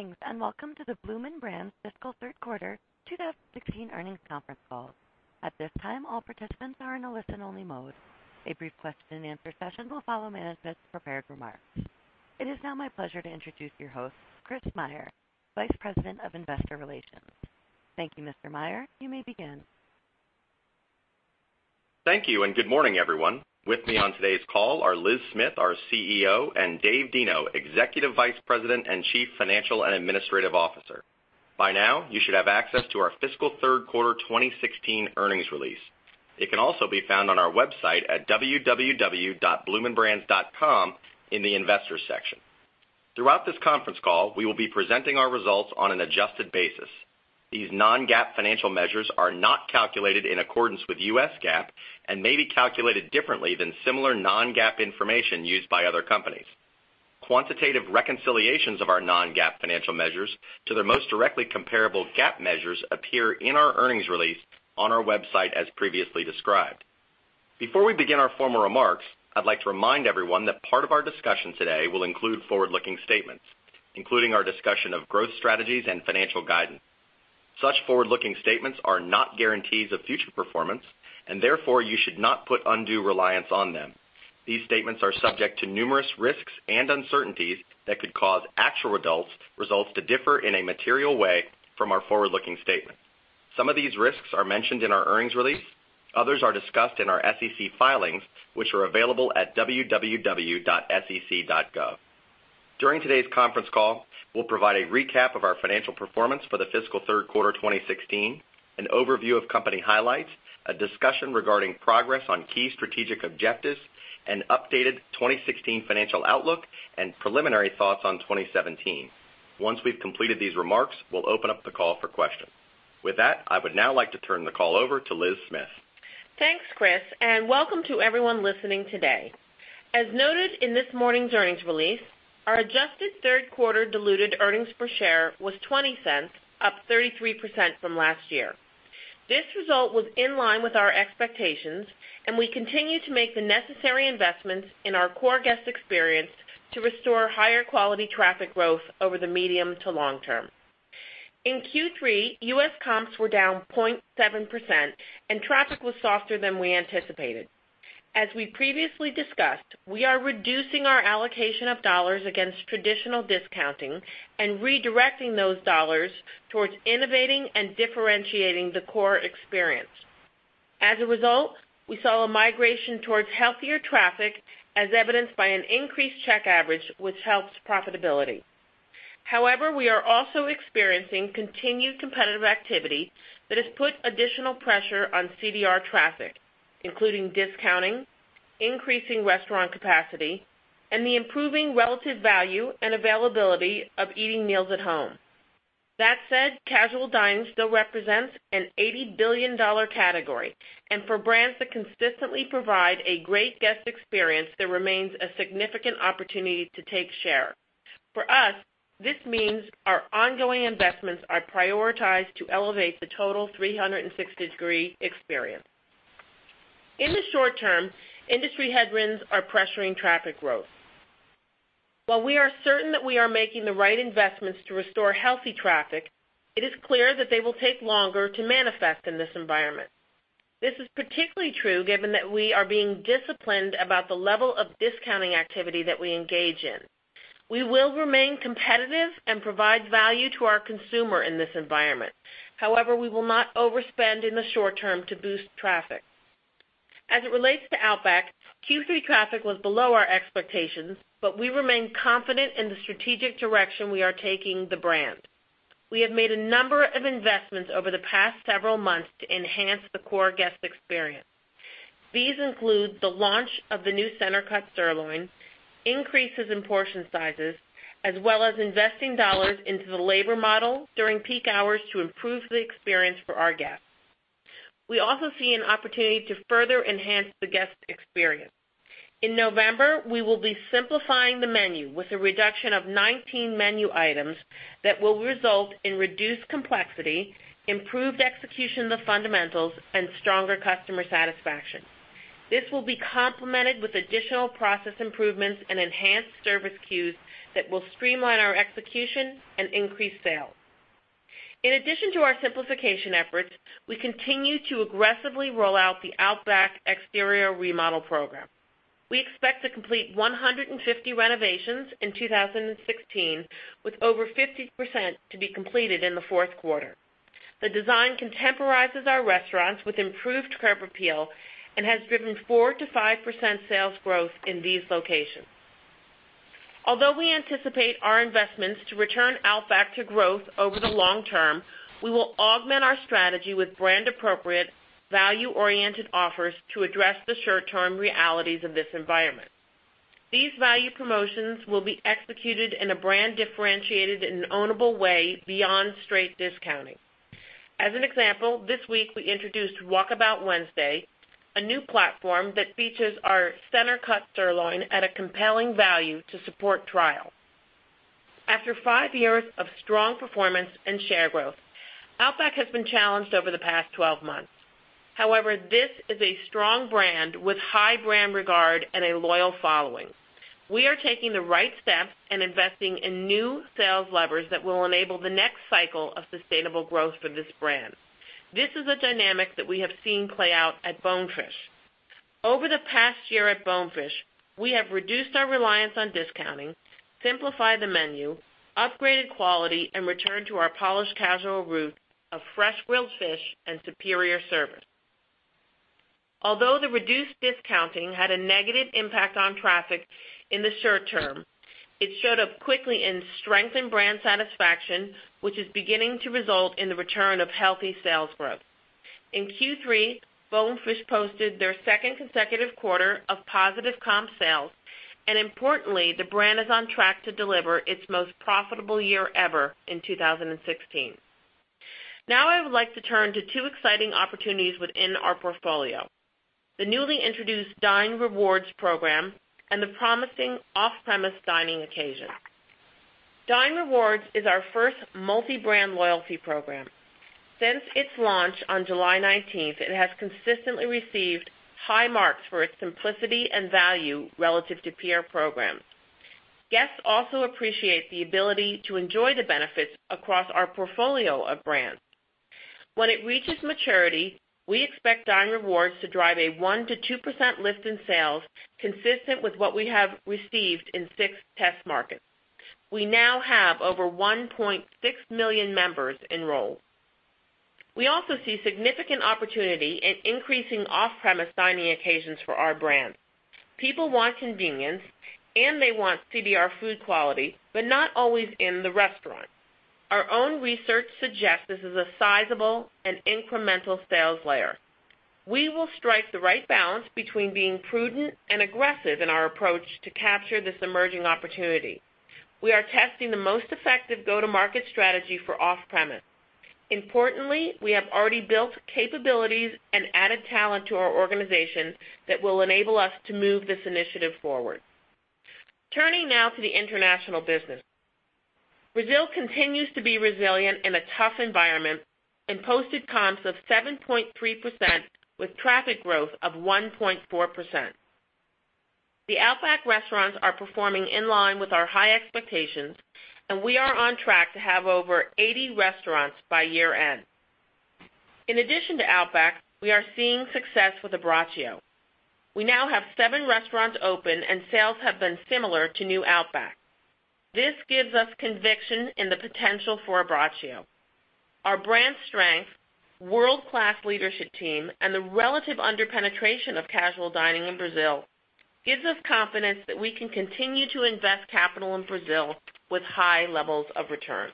Greetings. Welcome to the Bloomin' Brands fiscal third quarter 2016 earnings conference call. At this time, all participants are in a listen-only mode. A brief question-and-answer session will follow management's prepared remarks. It is now my pleasure to introduce your host, Chris Meyer, Vice President of Investor Relations. Thank you, Mr. Meyer. You may begin. Thank you. Good morning, everyone. With me on today's call are Liz Smith, our CEO, and Dave Deno, Executive Vice President and Chief Financial and Administrative Officer. By now, you should have access to our fiscal third quarter 2016 earnings release. It can also be found on our website at www.bloominbrands.com in the Investors section. Throughout this conference call, we will be presenting our results on an adjusted basis. These non-GAAP financial measures are not calculated in accordance with US GAAP and may be calculated differently than similar non-GAAP information used by other companies. Quantitative reconciliations of our non-GAAP financial measures to their most directly comparable GAAP measures appear in our earnings release on our website, as previously described. Before we begin our formal remarks, I'd like to remind everyone that part of our discussion today will include forward-looking statements, including our discussion of growth strategies and financial guidance. Such forward-looking statements are not guarantees of future performance. Therefore, you should not put undue reliance on them. These statements are subject to numerous risks and uncertainties that could cause actual results to differ in a material way from our forward-looking statements. Some of these risks are mentioned in our earnings release. Others are discussed in our SEC filings, which are available at www.sec.gov. During today's conference call, we'll provide a recap of our financial performance for the fiscal third quarter 2016, an overview of company highlights, a discussion regarding progress on key strategic objectives, an updated 2016 financial outlook. Preliminary thoughts on 2017. Once we've completed these remarks, we'll open up the call for questions. With that, I would now like to turn the call over to Liz Smith. Thanks, Chris. Welcome to everyone listening today. As noted in this morning's earnings release, our adjusted third quarter diluted earnings per share was $0.20, up 33% from last year. This result was in line with our expectations. We continue to make the necessary investments in our core guest experience to restore higher quality traffic growth over the medium to long term. In Q3, U.S. comps were down 0.7%. Traffic was softer than we anticipated. As we previously discussed, we are reducing our allocation of dollars against traditional discounting. Redirecting those dollars towards innovating and differentiating the core experience. As a result, we saw a migration towards healthier traffic, as evidenced by an increased check average, which helps profitability. We are also experiencing continued competitive activity that has put additional pressure on CDR traffic, including discounting, increasing restaurant capacity, and the improving relative value and availability of eating meals at home. That said, casual dining still represents an $80 billion category, and for brands that consistently provide a great guest experience, there remains a significant opportunity to take share. For us, this means our ongoing investments are prioritized to elevate the total 360-degree experience. In the short term, industry headwinds are pressuring traffic growth. While we are certain that we are making the right investments to restore healthy traffic, it is clear that they will take longer to manifest in this environment. This is particularly true given that we are being disciplined about the level of discounting activity that we engage in. We will remain competitive and provide value to our consumer in this environment. We will not overspend in the short term to boost traffic. As it relates to Outback, Q3 traffic was below our expectations, but we remain confident in the strategic direction we are taking the brand. We have made a number of investments over the past several months to enhance the core guest experience. These include the launch of the new center-cut sirloin, increases in portion sizes, as well as investing dollars into the labor model during peak hours to improve the experience for our guests. We also see an opportunity to further enhance the guest experience. In November, we will be simplifying the menu with a reduction of 19 menu items that will result in reduced complexity, improved execution of the fundamentals, and stronger customer satisfaction. This will be complemented with additional process improvements and enhanced service cues that will streamline our execution and increase sales. In addition to our simplification efforts, we continue to aggressively roll out the Outback exterior remodel program. We expect to complete 150 renovations in 2016, with over 50% to be completed in the fourth quarter. The design contemporizes our restaurants with improved curb appeal and has driven 4%-5% sales growth in these locations. Although we anticipate our investments to return Outback to growth over the long term, we will augment our strategy with brand-appropriate, value-oriented offers to address the short-term realities of this environment. These value promotions will be executed in a brand differentiated and ownable way beyond straight discounting. As an example, this week we introduced Walkabout Wednesday, a new platform that features our center-cut sirloin at a compelling value to support trial. After five years of strong performance and share growth, Outback has been challenged over the past 12 months. This is a strong brand with high brand regard and a loyal following. We are taking the right steps and investing in new sales levers that will enable the next cycle of sustainable growth for this brand. This is a dynamic that we have seen play out at Bonefish. Over the past year at Bonefish, we have reduced our reliance on discounting, simplified the menu, upgraded quality, and returned to our polished casual root of fresh grilled fish and superior service. Although the reduced discounting had a negative impact on traffic in the short term, it showed up quickly in strengthened brand satisfaction, which is beginning to result in the return of healthy sales growth. In Q3, Bonefish posted their second consecutive quarter of positive comp sales, and importantly, the brand is on track to deliver its most profitable year ever in 2016. Now I would like to turn to two exciting opportunities within our portfolio, the newly introduced Dine Rewards program and the promising off-premise dining occasion. Dine Rewards is our first multi-brand loyalty program. Since its launch on July 19th, it has consistently received high marks for its simplicity and value relative to peer programs. Guests also appreciate the ability to enjoy the benefits across our portfolio of brands. When it reaches maturity, we expect Dine Rewards to drive a 1%-2% lift in sales consistent with what we have received in six test markets. We now have over 1.6 million members enrolled. We also see significant opportunity in increasing off-premise dining occasions for our brands. People want convenience, they want to see their food quality, but not always in the restaurant. Our own research suggests this is a sizable and incremental sales layer. We will strike the right balance between being prudent and aggressive in our approach to capture this emerging opportunity. We are testing the most effective go-to-market strategy for off-premise. Importantly, we have already built capabilities and added talent to our organization that will enable us to move this initiative forward. Turning now to the international business. Brazil continues to be resilient in a tough environment and posted comps of 7.3% with traffic growth of 1.4%. The Outback restaurants are performing in line with our high expectations, and we are on track to have over 80 restaurants by year-end. In addition to Outback, we are seeing success with Abbraccio. We now have seven restaurants open and sales have been similar to new Outback. This gives us conviction in the potential for Abbraccio. Our brand strength, world-class leadership team, and the relative under-penetration of casual dining in Brazil gives us confidence that we can continue to invest capital in Brazil with high levels of return.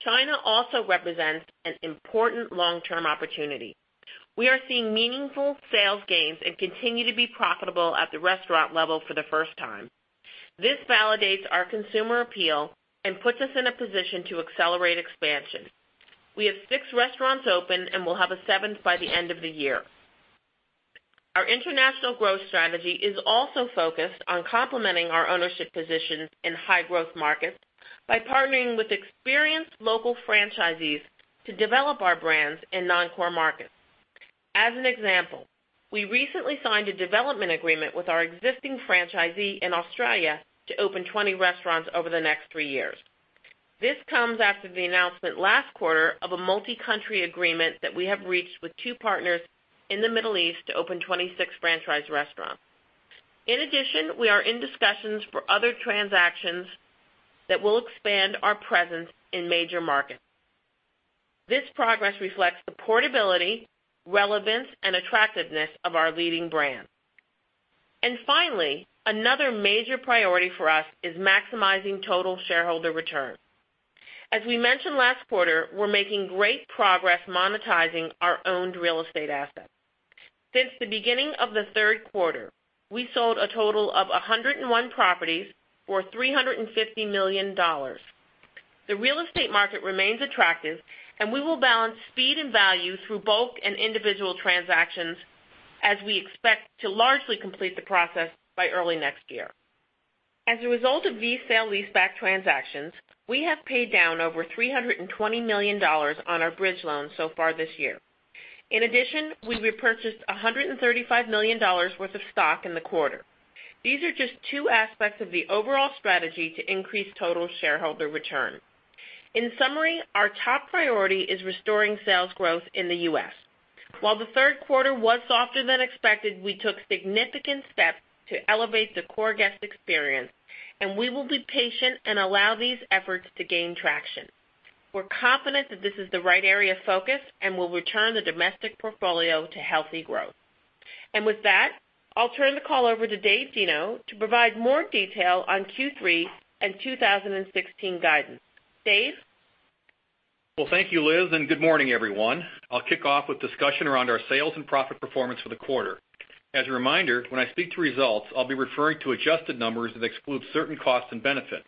China also represents an important long-term opportunity. We are seeing meaningful sales gains and continue to be profitable at the restaurant level for the first time. This validates our consumer appeal and puts us in a position to accelerate expansion. We have six restaurants open and will have a seventh by the end of the year. Our international growth strategy is also focused on complementing our ownership positions in high-growth markets by partnering with experienced local franchisees to develop our brands in non-core markets. As an example, we recently signed a development agreement with our existing franchisee in Australia to open 20 restaurants over the next three years. This comes after the announcement last quarter of a multi-country agreement that we have reached with two partners in the Middle East to open 26 franchise restaurants. In addition, we are in discussions for other transactions that will expand our presence in major markets. This progress reflects the portability, relevance, and attractiveness of our leading brands. Finally, another major priority for us is maximizing total shareholder return. As we mentioned last quarter, we're making great progress monetizing our owned real estate assets. Since the beginning of the third quarter, we sold a total of 101 properties for $350 million. The real estate market remains attractive, and we will balance speed and value through bulk and individual transactions as we expect to largely complete the process by early next year. As a result of these sale leaseback transactions, we have paid down over $320 million on our bridge loan so far this year. In addition, we repurchased $135 million worth of stock in the quarter. These are just two aspects of the overall strategy to increase total shareholder return. In summary, our top priority is restoring sales growth in the U.S. While the third quarter was softer than expected, we took significant steps to elevate the core guest experience, and we will be patient and allow these efforts to gain traction. We're confident that this is the right area of focus and will return the domestic portfolio to healthy growth. With that, I'll turn the call over to Dave Deno to provide more detail on Q3 and 2016 guidance. Dave? Thank you, Liz, and good morning, everyone. I'll kick off with discussion around our sales and profit performance for the quarter. As a reminder, when I speak to results, I'll be referring to adjusted numbers that exclude certain costs and benefits.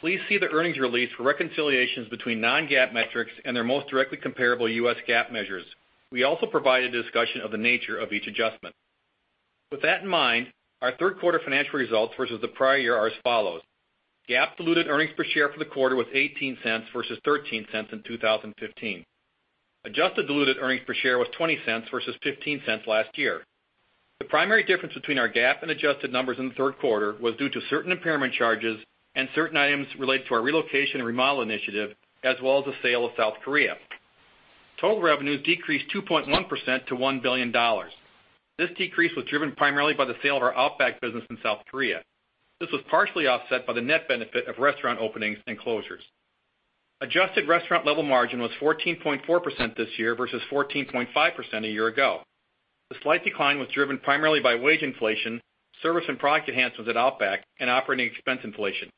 Please see the earnings release for reconciliations between non-GAAP metrics and their most directly comparable US GAAP measures. We also provide a discussion of the nature of each adjustment. With that in mind, our third quarter financial results versus the prior year are as follows: GAAP diluted earnings per share for the quarter was $0.08 versus $0.13 in 2015. Adjusted diluted earnings per share was $0.20 versus $0.15 last year. The primary difference between our GAAP and adjusted numbers in the third quarter was due to certain impairment charges and certain items related to our relocation and remodel initiative, as well as the sale of South Korea. Total revenues decreased 2.1% to $1 billion. This decrease was driven primarily by the sale of our Outback business in South Korea. This was partially offset by the net benefit of restaurant openings and closures. Adjusted restaurant level margin was 14.4% this year versus 14.5% a year ago. The slight decline was driven primarily by wage inflation, service and product enhancements at Outback, and operating expense inflation.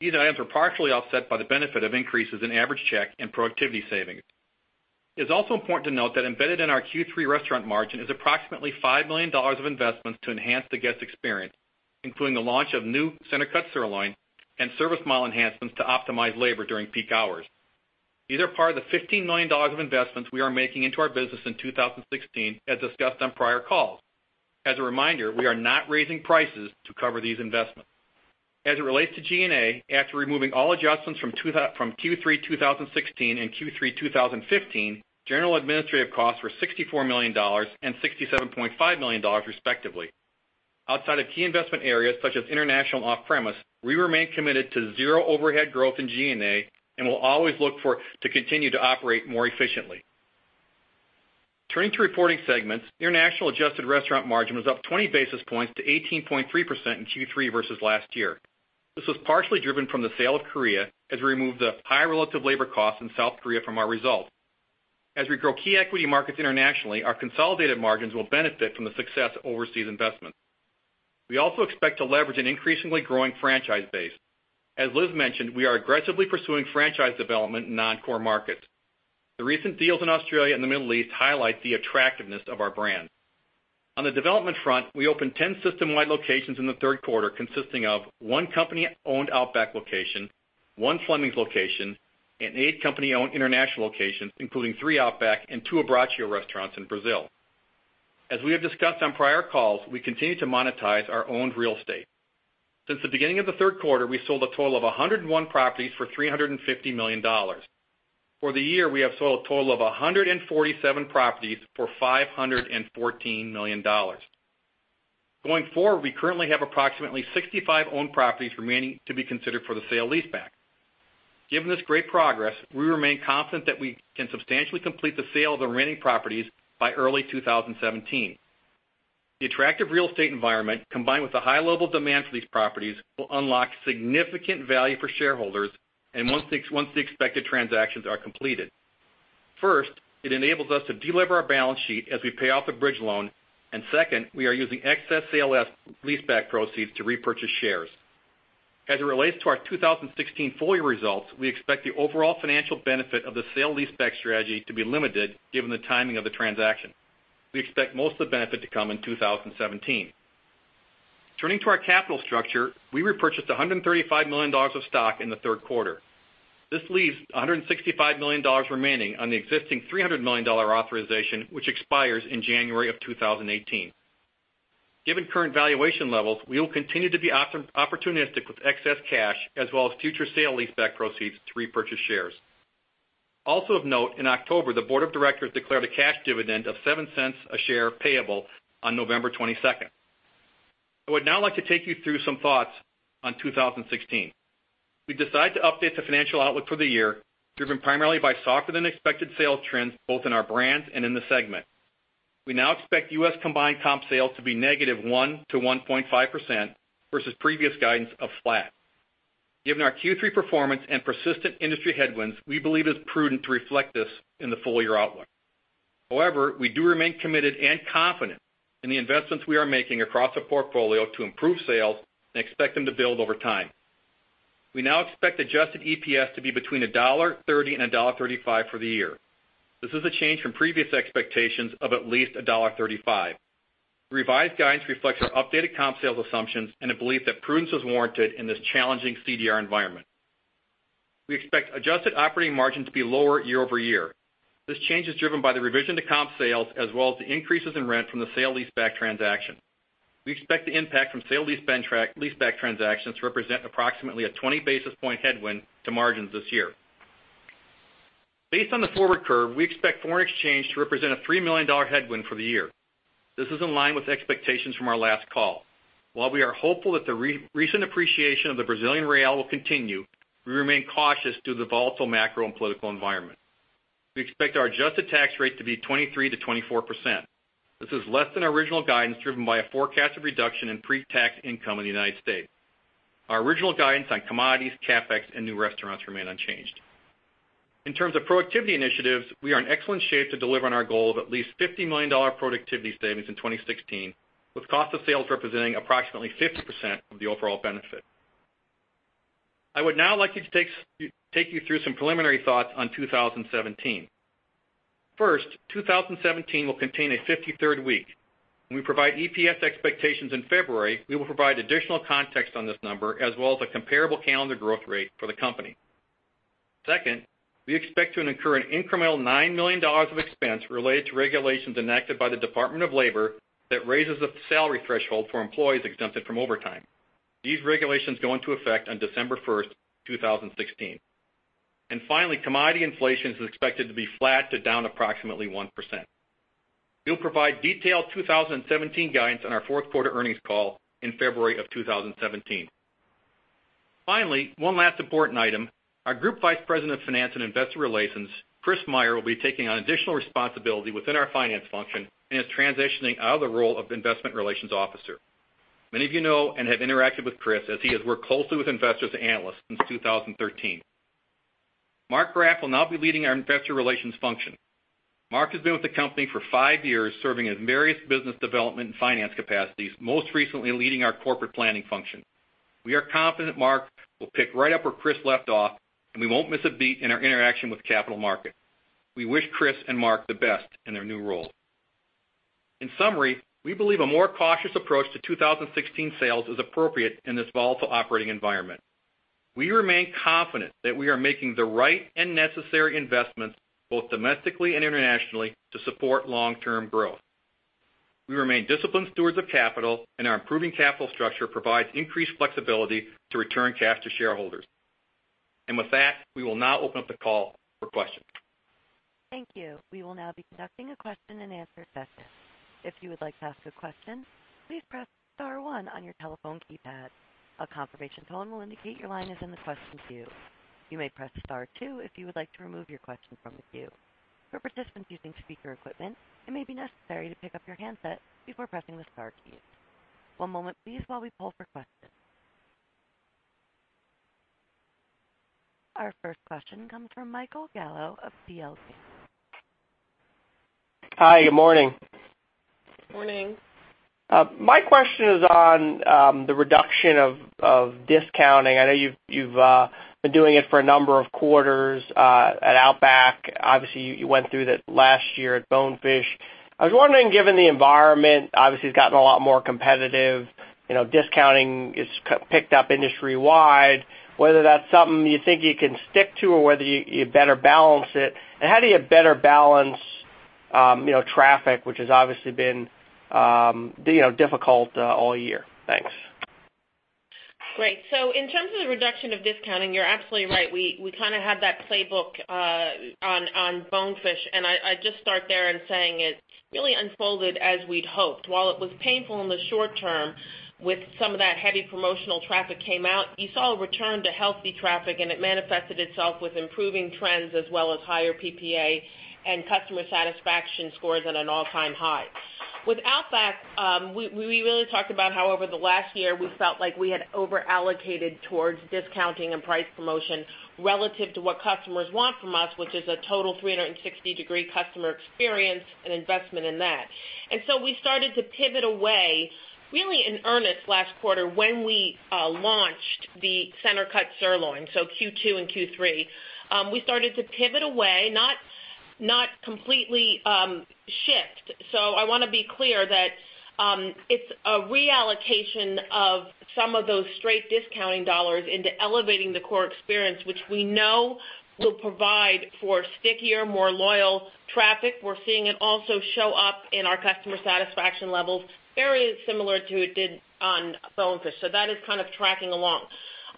These items were partially offset by the benefit of increases in average check and productivity savings. It's also important to note that embedded in our Q3 restaurant margin is approximately $5 million of investments to enhance the guest experience, including the launch of new center-cut sirloin and service model enhancements to optimize labor during peak hours. These are part of the $15 million of investments we are making into our business in 2016, as discussed on prior calls. As a reminder, we are not raising prices to cover these investments. As it relates to G&A, after removing all adjustments from Q3 2016 and Q3 2015, general administrative costs were $64 million and $67.5 million respectively. Outside of key investment areas such as international and off-premise, we remain committed to zero overhead growth in G&A and will always look to continue to operate more efficiently. Turning to reporting segments, international adjusted restaurant margin was up 20 basis points to 18.3% in Q3 versus last year. This was partially driven from the sale of Korea, as we removed the high relative labor costs in South Korea from our results. As we grow key equity markets internationally, our consolidated margins will benefit from the success of overseas investments. We also expect to leverage an increasingly growing franchise base. As Liz mentioned, we are aggressively pursuing franchise development in non-core markets. The recent deals in Australia and the Middle East highlight the attractiveness of our brand. On the development front, we opened 10 system-wide locations in the third quarter, consisting of one company-owned Outback location, one Fleming's location, and eight company-owned international locations, including three Outback and two Abbraccio restaurants in Brazil. As we have discussed on prior calls, we continue to monetize our owned real estate. Since the beginning of the third quarter, we sold a total of 101 properties for $350 million. For the year, we have sold a total of 147 properties for $514 million. Going forward, we currently have approximately 65 owned properties remaining to be considered for the sale leaseback. Given this great progress, we remain confident that we can substantially complete the sale of the remaining properties by early 2017. The attractive real estate environment, combined with the high level of demand for these properties, will unlock significant value for shareholders once the expected transactions are completed. First, it enables us to delever our balance sheet as we pay off the bridge loan. Second, we are using excess sale leaseback proceeds to repurchase shares. As it relates to our 2016 full year results, we expect the overall financial benefit of the sale leaseback strategy to be limited, given the timing of the transaction. We expect most of the benefit to come in 2017. Turning to our capital structure, we repurchased $135 million of stock in the third quarter. This leaves $165 million remaining on the existing $300 million authorization, which expires in January of 2018. Given current valuation levels, we will continue to be opportunistic with excess cash as well as future sale leaseback proceeds to repurchase shares. Also of note, in October, the Board of Directors declared a cash dividend of $0.07 a share payable on November 22nd. I would now like to take you through some thoughts on 2016. We've decided to update the financial outlook for the year, driven primarily by softer than expected sales trends both in our brands and in the segment. We now expect U.S. combined comp sales to be -1% to -1.5%, versus previous guidance of flat. Given our Q3 performance and persistent industry headwinds, we believe it's prudent to reflect this in the full year outlook. However, we do remain committed and confident in the investments we are making across the portfolio to improve sales and expect them to build over time. We now expect adjusted EPS to be between $1.30 and $1.35 for the year. This is a change from previous expectations of at least $1.35. The revised guidance reflects our updated comp sales assumptions and a belief that prudence is warranted in this challenging CDR environment. We expect adjusted operating margin to be lower year-over-year. This change is driven by the revision to comp sales as well as the increases in rent from the sale leaseback transaction. We expect the impact from sale leaseback transactions to represent approximately a 20 basis point headwind to margins this year. Based on the forward curve, we expect foreign exchange to represent a $3 million headwind for the year. This is in line with expectations from our last call. While we are hopeful that the recent appreciation of the Brazilian real will continue, we remain cautious due to the volatile macro and political environment. We expect our adjusted tax rate to be 23%-24%. This is less than our original guidance, driven by a forecasted reduction in pre-tax income in the United States. Our original guidance on commodities, CapEx, and new restaurants remain unchanged. In terms of productivity initiatives, we are in excellent shape to deliver on our goal of at least $50 million productivity savings in 2016, with cost of sales representing approximately 50% of the overall benefit. I would now like to take you through some preliminary thoughts on 2017. First, 2017 will contain a 53rd week. When we provide EPS expectations in February, we will provide additional context on this number as well as a comparable calendar growth rate for the company. Second, we expect to incur an incremental $9 million of expense related to regulations enacted by the Department of Labor that raises the salary threshold for employees exempted from overtime. These regulations go into effect on December 1st, 2016. Finally, commodity inflation is expected to be flat to down approximately 1%. We'll provide detailed 2017 guidance on our fourth quarter earnings call in February of 2017. Finally, one last important item. Our Group Vice President of Finance and Investor Relations, Chris Meyer, will be taking on additional responsibility within our finance function and is transitioning out of the role of Investor Relations Officer. Many of you know and have interacted with Chris as he has worked closely with investors and analysts since 2013. Mark Graff will now be leading our Investor Relations function. Mark has been with the company for five years, serving in various business development and finance capacities, most recently leading our corporate planning function. We are confident Mark will pick right up where Chris left off, we won't miss a beat in our interaction with capital markets. We wish Chris and Mark the best in their new roles. In summary, we believe a more cautious approach to 2016 sales is appropriate in this volatile operating environment. We remain confident that we are making the right and necessary investments, both domestically and internationally, to support long-term growth. We remain disciplined stewards of capital, our improving capital structure provides increased flexibility to return cash to shareholders. With that, we will now open up the call for questions. Thank you. We will now be conducting a question and answer session. If you would like to ask a question, please press star one on your telephone keypad. A confirmation tone will indicate your line is in the question queue. You may press star two if you would like to remove your question from the queue. For participants using speaker equipment, it may be necessary to pick up your handset before pressing the star keys. One moment please while we poll for questions. Our first question comes from Michael Gallo of C.L. KingSA. Hi, good morning. Morning. My question is on the reduction of discounting. I know you've been doing it for a number of quarters at Outback. Obviously, you went through it last year at Bonefish. I was wondering, given the environment, obviously it's gotten a lot more competitive. Discounting has picked up industry wide. Whether that's something you think you can stick to or whether you better balance it. How do you better balance traffic, which has obviously been difficult all year? Thanks. Great. In terms of the reduction of discounting, you're absolutely right. We kind of had that playbook on Bonefish, and I'd just start there in saying it really unfolded as we'd hoped. While it was painful in the short term with some of that heavy promotional traffic came out, you saw a return to healthy traffic, and it manifested itself with improving trends as well as higher PPA and customer satisfaction scores at an all-time high. With Outback, we really talked about how over the last year, we felt like we had over-allocated towards discounting and price promotion relative to what customers want from us, which is a total 360-degree customer experience and investment in that. We started to pivot away, really in earnest last quarter when we launched the center cut sirloin, so Q2 and Q3. We started to pivot away, not completely shift. I want to be clear that it's a reallocation of some of those straight discounting dollars into elevating the core experience, which we know will provide for stickier, more loyal traffic. We're seeing it also show up in our customer satisfaction levels, very similar to it did on Bonefish. That is kind of tracking along.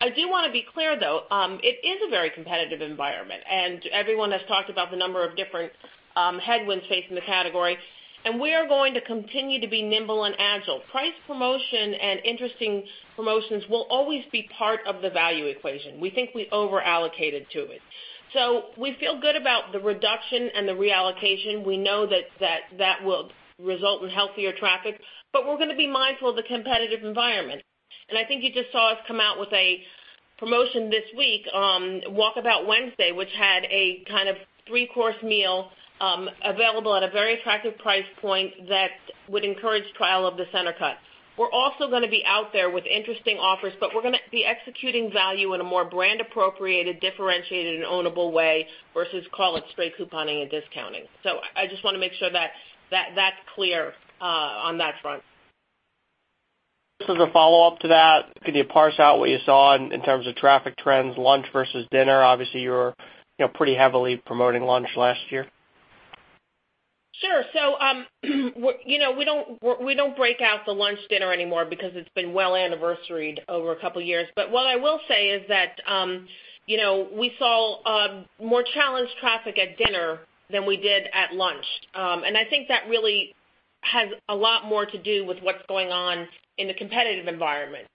I do want to be clear, though, it is a very competitive environment, and everyone has talked about the number of different headwinds facing the category. We are going to continue to be nimble and agile. Price promotion and interesting promotions will always be part of the value equation. We think we over-allocated to it. We feel good about the reduction and the reallocation. We know that will result in healthier traffic, but we're going to be mindful of the competitive environment. I think you just saw us come out with a promotion this week, Walkabout Wednesday, which had a kind of three-course meal available at a very attractive price point that would encourage trial of the center cut. We're also going to be out there with interesting offers, but we're going to be executing value in a more brand-appropriated, differentiated, and ownable way versus call it straight couponing and discounting. I just want to make sure that's clear on that front. Just as a follow-up to that, could you parse out what you saw in terms of traffic trends, lunch versus dinner? Obviously, you were pretty heavily promoting lunch last year. Sure. We don't break out the lunch, dinner anymore because it's been well anniversaried over a couple of years. What I will say is that we saw more challenged traffic at dinner than we did at lunch. I think that really has a lot more to do with what's going on in the competitive environment.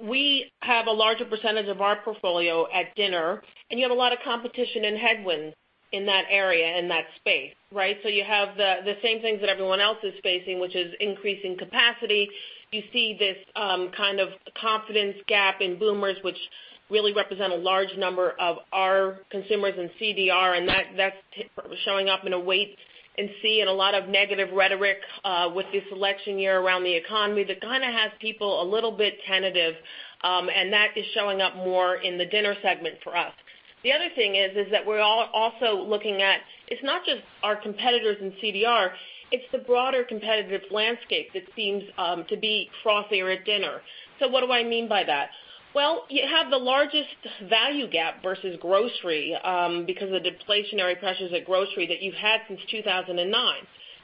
We have a larger percentage of our portfolio at dinner, and you have a lot of competition and headwinds in that area, in that space, right? You have the same things that everyone else is facing, which is increasing capacity. You see this kind of confidence gap in boomers, which really represent a large number of our consumers in CDR, and that's showing up in a wait and see and a lot of negative rhetoric with this election year around the economy that kind of has people a little bit tentative. That is showing up more in the dinner segment for us. The other thing is that we're also looking at, it's not just our competitors in CDR, it's the broader competitive landscape that seems to be frostier at dinner. What do I mean by that? Well, you have the largest value gap versus grocery because of the deflationary pressures at grocery that you've had since 2009.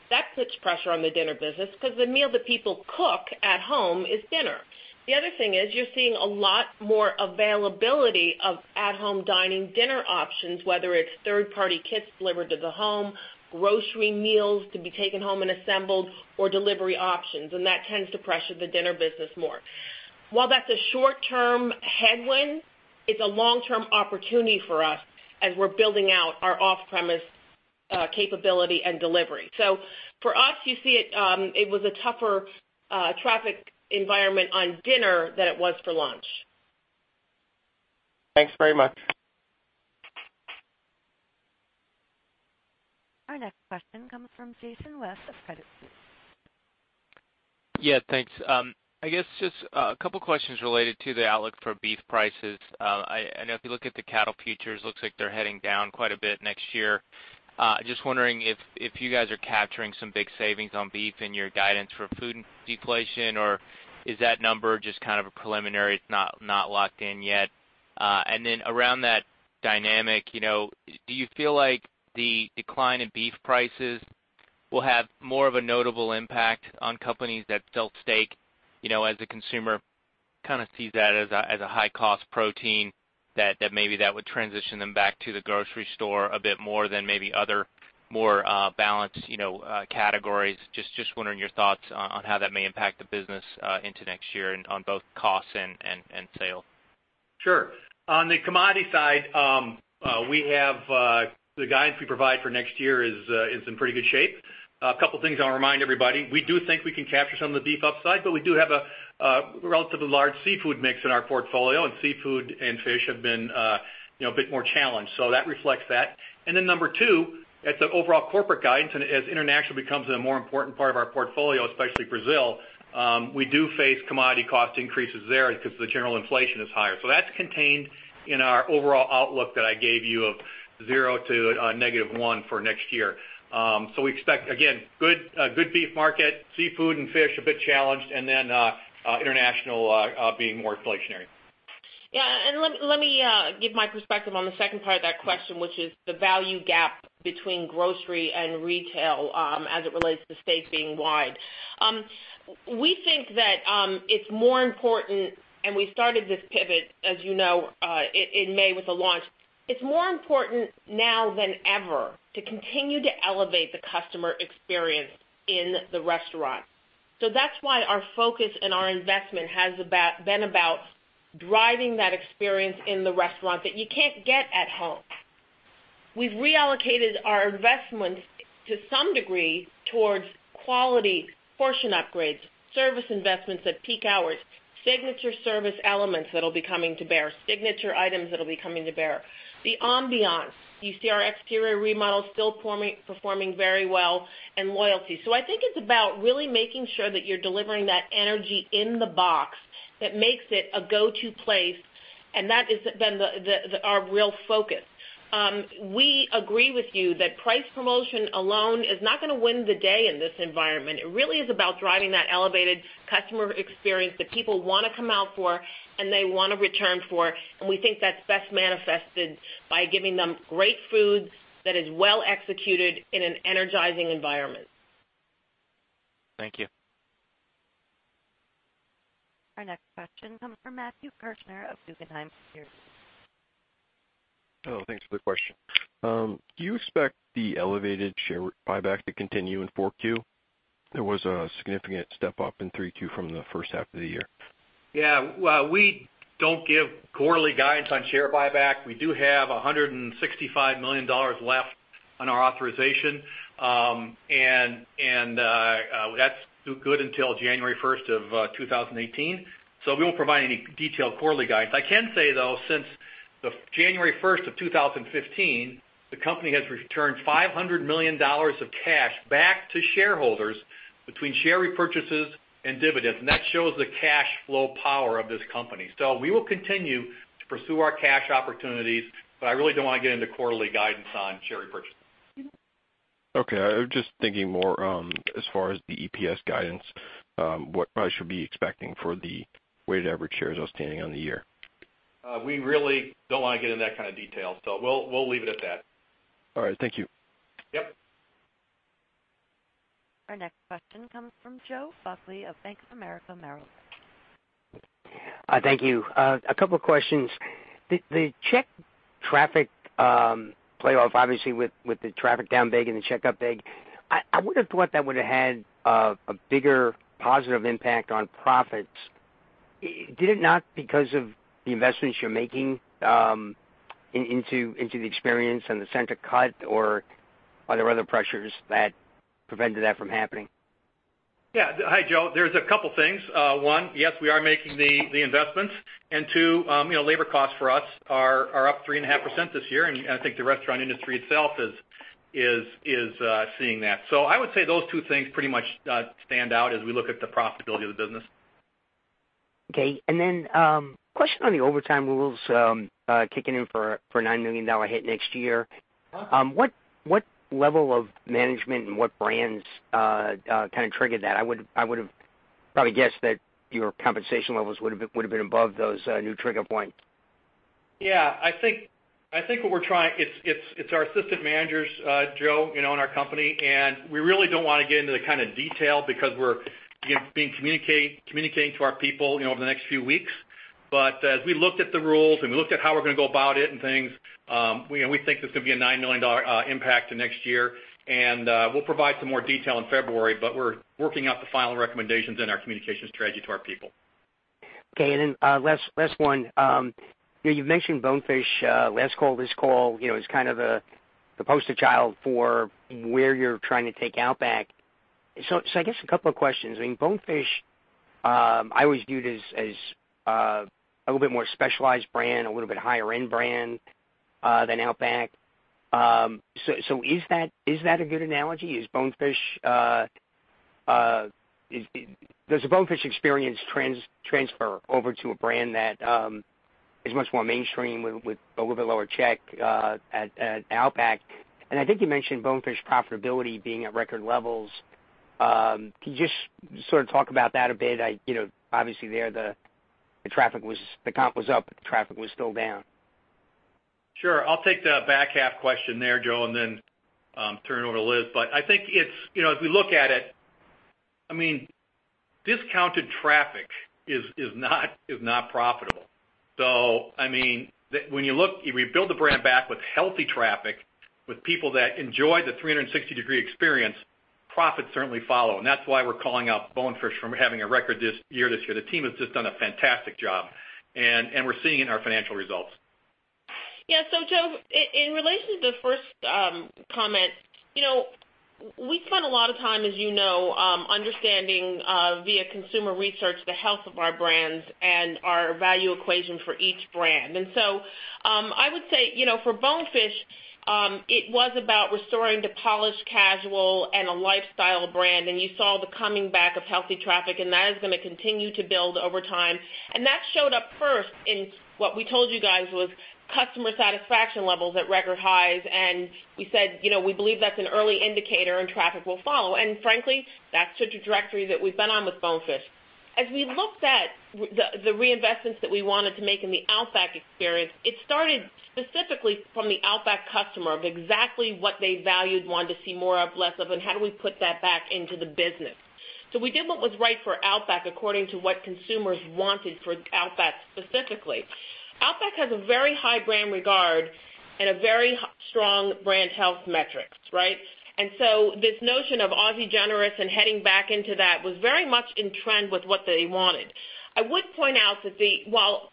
That puts pressure on the dinner business because the meal that people cook at home is dinner. The other thing is you're seeing a lot more availability of at-home dining dinner options, whether it's third-party kits delivered to the home, grocery meals to be taken home and assembled, or delivery options, and that tends to pressure the dinner business more. While that's a short-term headwind, it's a long-term opportunity for us as we're building out our off-premise capability and delivery. For us, you see it was a tougher traffic environment on dinner than it was for lunch. Thanks very much. Our next question comes from Jason West of Credit Suisse. Yeah, thanks. I guess just a couple questions related to the outlook for beef prices. I know if you look at the cattle futures, looks like they're heading down quite a bit next year. Just wondering if you guys are capturing some big savings on beef in your guidance for food deflation, or is that number just kind of a preliminary, it's not locked in yet? Then around that dynamic, do you feel like the decline in beef prices will have more of a notable impact on companies that sell steak, as a consumer kind of sees that as a high-cost protein that maybe that would transition them back to the grocery store a bit more than maybe other, more balanced categories? Just wondering your thoughts on how that may impact the business into next year on both costs and sale. Sure. On the commodity side, the guidance we provide for next year is in pretty good shape. A couple things I want to remind everybody. We do think we can capture some of the beef upside, but we do have a relatively large seafood mix in our portfolio, and seafood and fish have been a bit more challenged. That reflects that. Number two, at the overall corporate guidance, as international becomes a more important part of our portfolio, especially Brazil, we do face commodity cost increases there because the general inflation is higher. That's contained in our overall outlook that I gave you of zero to negative one for next year. We expect, again, good beef market, seafood and fish a bit challenged, and then international being more inflationary. Let me give my perspective on the second part of that question, which is the value gap between grocery and retail as it relates to steak being wide. We think that it's more important, and we started this pivot, as you know, in May with the launch. It's more important now than ever to continue to elevate the customer experience in the restaurant. That's why our focus and our investment has been about driving that experience in the restaurant that you can't get at home. We've reallocated our investments to some degree towards quality portion upgrades, service investments at peak hours, signature service elements that'll be coming to bear, signature items that'll be coming to bear. The ambiance, you see our exterior remodels still performing very well, and loyalty. I think it's about really making sure that you're delivering that energy in the box that makes it a go-to place, and that has been our real focus. We agree with you that price promotion alone is not going to win the day in this environment. It really is about driving that elevated customer experience that people want to come out for, and they want to return for, and we think that's best manifested by giving them great food that is well executed in an energizing environment. Thank you. Our next question comes from Matthew Kirschner of Guggenheim Securities. Oh, thanks. Good question. Do you expect the elevated share buyback to continue in 4Q? There was a significant step up in 3Q from the first half of the year. Yeah. We don't give quarterly guidance on share buyback. We do have $165 million left on our authorization, and that's due good until January 1st of 2018. We won't provide any detailed quarterly guidance. I can say, though, since the January 1st of 2015, the company has returned $500 million of cash back to shareholders between share repurchases and dividends, and that shows the cash flow power of this company. We will continue to pursue our cash opportunities, but I really don't want to get into quarterly guidance on share repurchase. Okay, I was just thinking more as far as the EPS guidance, what I should be expecting for the weighted average shares outstanding on the year. We really don't want to get in that kind of detail, so we'll leave it at that. All right. Thank you. Yep. Our next question comes from Joe Buckley of Bank of America, Merrill Lynch. Thank you. A two questions. The check traffic trade-off, obviously with the traffic down big and the check up big, I would have thought that would have had a bigger positive impact on profits. Did it not because of the investments you're making into the experience and the center cut, or are there other pressures that prevented that from happening? Yeah. Hi, Joe. There's a couple things. One, yes, we are making the investments, and two, labor costs for us are up 3.5% this year, and I think the restaurant industry itself is seeing that. I would say those two things pretty much stand out as we look at the profitability of the business. Question on the overtime rules kicking in for $9 million hit next year. What level of management and what brands kind of triggered that? I would've probably guessed that your compensation levels would've been above those new trigger points. Yeah. It's our assistant managers, Joe, in our company. We really don't want to get into the kind of detail because we're communicating to our people over the next few weeks. As we looked at the rules and we looked at how we're going to go about it and things, we think there's going to be a $9 million impact to next year. We'll provide some more detail in February, but we're working out the final recommendations and our communications strategy to our people. Last one. You've mentioned Bonefish last call, this call, as kind of the poster child for where you're trying to take Outback. I guess a couple of questions. Bonefish, I always viewed as a little bit more specialized brand, a little bit higher end brand, than Outback. Is that a good analogy? Does the Bonefish experience transfer over to a brand that is much more mainstream with a little bit lower check at Outback? I think you mentioned Bonefish profitability being at record levels. Can you just sort of talk about that a bit? Obviously there the comp was up, traffic was still down. Sure. I'll take the back half question there, Joe, and then turn it over to Liz. I think as we look at it, discounted traffic is not profitable. When you rebuild the brand back with healthy traffic, with people that enjoy the 360-degree experience, profits certainly follow. That's why we're calling out Bonefish from having a record year this year. The team has just done a fantastic job, and we're seeing it in our financial results. Yeah. Joe, in relation to the first comment, we spent a lot of time, as you know, understanding via consumer research the health of our brands and our value equation for each brand. I would say for Bonefish, it was about restoring the polished casual and a lifestyle brand, and you saw the coming back of healthy traffic, and that is going to continue to build over time. That showed up first in what we told you guys was customer satisfaction levels at record highs. We said we believe that's an early indicator and traffic will follow. Frankly, that's the trajectory that we've been on with Bonefish. As we looked at the reinvestments that we wanted to make in the Outback experience, it started specifically from the Outback customer of exactly what they valued, wanted to see more of, less of, and how do we put that back into the business. We did what was right for Outback according to what consumers wanted for Outback specifically. Outback has a very high brand regard and a very strong brand health metrics, right? This notion of Aussie generous and heading back into that was very much in trend with what they wanted. I would point out that while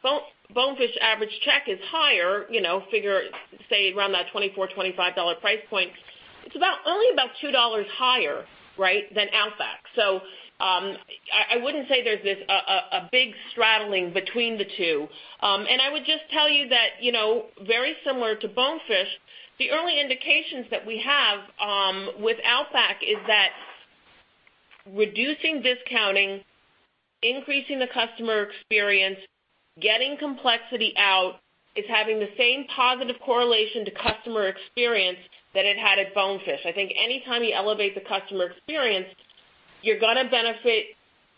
Bonefish average check is higher, figure say around that $24, $25 price point, it's only about $2 higher than Outback. I wouldn't say there's this big straddling between the two. I would just tell you that very similar to Bonefish, the early indications that we have with Outback is that reducing discounting, increasing the customer experience, getting complexity out, is having the same positive correlation to customer experience that it had at Bonefish. I think any time you elevate the customer experience, you're going to benefit.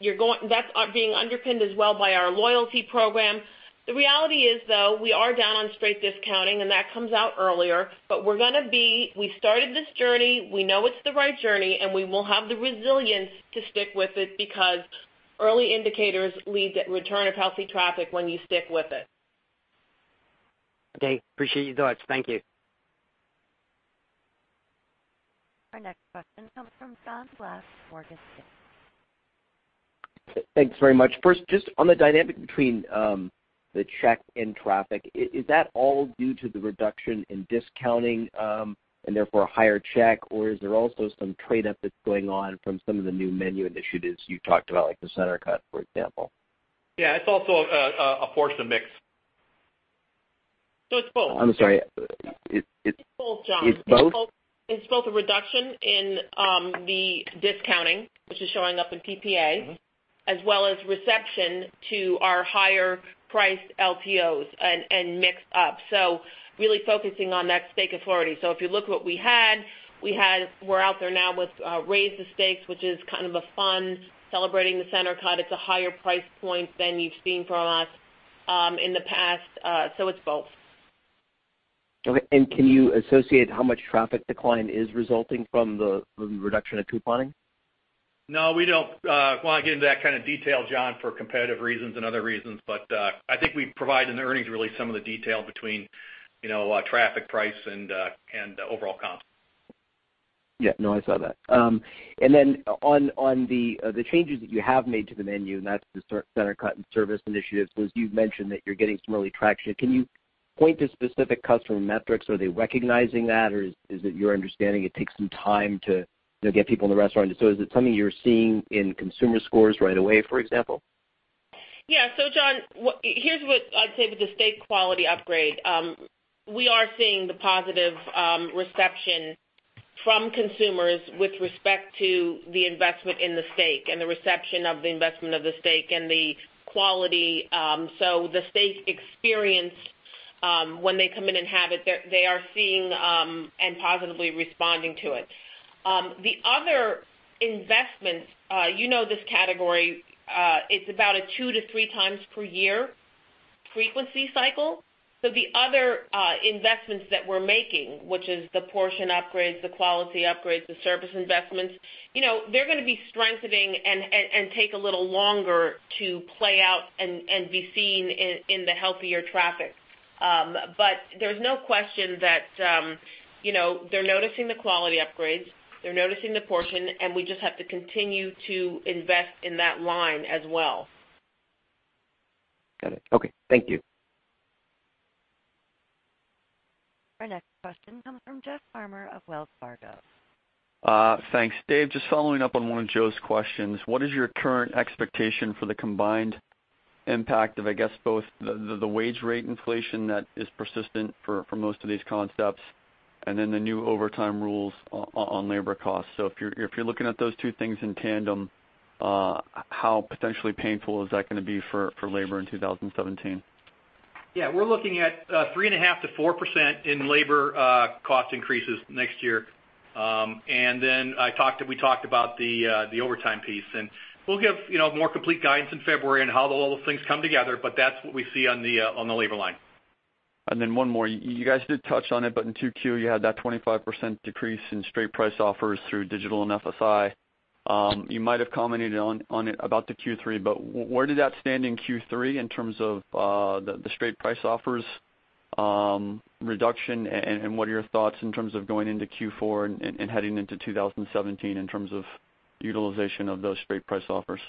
That's being underpinned as well by our loyalty program. The reality is, though, we are down on straight discounting. That comes out earlier, we started this journey, we know it's the right journey, and we will have the resilience to stick with it because early indicators lead to return of healthy traffic when you stick with it. Okay. Appreciate your thoughts. Thank you. Our next question comes from John Glass, Morgan Stanley. Thanks very much. First, just on the dynamic between the check and traffic, is that all due to the reduction in discounting, and therefore a higher check? Or is there also some trade-up that's going on from some of the new menu initiatives you talked about, like the center cut, for example? Yeah, it's also a portion mix. It's both. I'm sorry. It's both, John. It's both? It's both a reduction in the discounting, which is showing up in PPA, as well as reception to our higher priced LTOs and mix up. Really focusing on that steak authority. If you look what we had, we're out there now with Raise the Steaks, which is kind of a fun celebrating the center cut. It's a higher price point than you've seen from us in the past. It's both. Okay, can you associate how much traffic decline is resulting from the reduction of couponing? No, we don't want to get into that kind of detail, John, for competitive reasons and other reasons. I think we provide in the earnings really some of the detail between traffic price and overall comp. Yeah, no, I saw that. Then on the changes that you have made to the menu, and that's the center cut and service initiatives, Liz, you've mentioned that you're getting some early traction. Can you point to specific customer metrics? Are they recognizing that, or is it your understanding it takes some time to get people in the restaurant? Is it something you're seeing in consumer scores right away, for example? Yeah. John, here's what I'd say with the steak quality upgrade. We are seeing the positive reception from consumers with respect to the investment in the steak and the reception of the investment of the steak and the quality. The steak experience, when they come in and have it, they are seeing and positively responding to it. The other investments, you know this category, it's about a two to three times per year frequency cycle. The other investments that we're making, which is the portion upgrades, the quality upgrades, the service investments, they're going to be strengthening and take a little longer to play out and be seen in the healthier traffic. There's no question that they're noticing the quality upgrades, they're noticing the portion, and we just have to continue to invest in that line as well. Got it. Okay. Thank you. Our next question comes from Jeff Farmer of Wells Fargo. Thanks. Dave, just following up on one of Joe's questions, what is your current expectation for the combined impact of, I guess, both the wage rate inflation that is persistent for most of these concepts, and then the new overtime rules on labor costs? If you're looking at those two things in tandem, how potentially painful is that going to be for labor in 2017? We're looking at 3.5%-4% in labor cost increases next year. We talked about the overtime piece, and we'll give more complete guidance in February on how all those things come together, but that's what we see on the labor line. One more. You guys did touch on it, but in 2Q, you had that 25% decrease in straight price offers through digital and FSI. You might have commented on it about the Q3, but where did that stand in Q3 in terms of the straight price offers reduction, and what are your thoughts in terms of going into Q4 and heading into 2017 in terms of utilization of those straight price offers?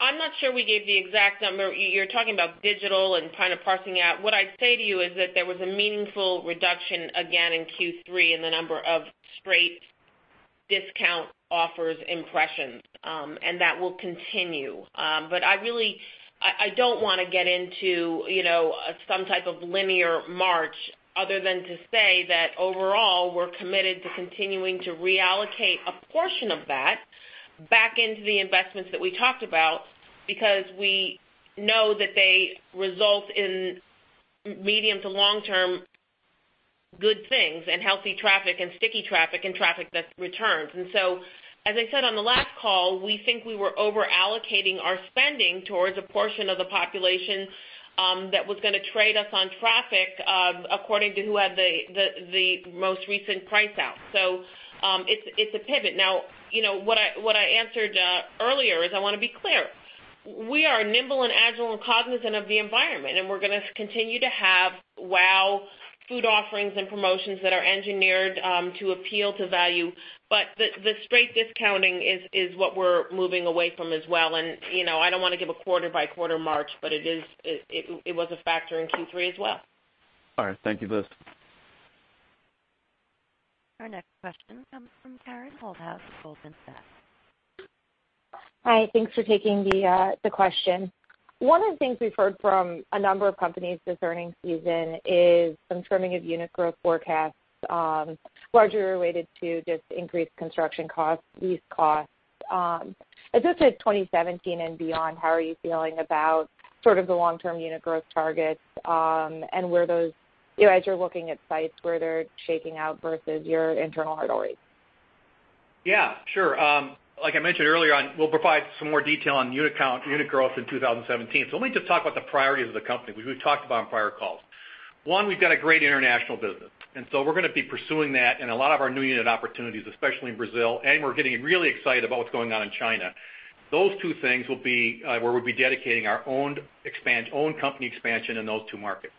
I'm not sure we gave the exact number. You're talking about digital and kind of parsing out. What I'd say to you is that there was a meaningful reduction again in Q3 in the number of straight discount offers impressions, and that will continue. I don't want to get into some type of linear march other than to say that overall, we're committed to continuing to reallocate a portion of that back into the investments that we talked about because we know that they result in medium to long-term good things and healthy traffic and sticky traffic and traffic that returns. As I said on the last call, we think we were over-allocating our spending towards a portion of the population that was going to trade us on traffic according to who had the most recent price out. It's a pivot. Now, what I answered earlier is I want to be clear, we are nimble and agile and cognizant of the environment, and we're going to continue to have wow food offerings and promotions that are engineered to appeal to value. The straight discounting is what we're moving away from as well, and I don't want to give a quarter by quarter march, but it was a factor in Q3 as well. All right. Thank you, Liz. Our next question comes from Karen Holthouse of Goldman Sachs. Hi. Thanks for taking the question. One of the things we've heard from a number of companies this earnings season is some trimming of unit growth forecasts, largely related to just increased construction costs, lease costs. Just at 2017 and beyond, how are you feeling about sort of the long-term unit growth targets, and where those, as you're looking at sites, where they're shaking out versus your internal hurdle rate? Yeah, sure. Like I mentioned earlier on, we'll provide some more detail on unit count, unit growth in 2017. Let me just talk about the priorities of the company, which we've talked about on prior calls. One, we've got a great international business. We're going to be pursuing that in a lot of our new unit opportunities, especially in Brazil. We're getting really excited about what's going on in China. Those two things will be where we'll be dedicating our own company expansion in those two markets.